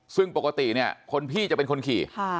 ซึ่งปกติเนี่ยคนพี่จะเป็นคนขี่